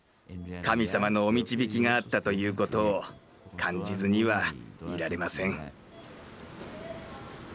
神様のお導きがあったということを感じずにはいられません。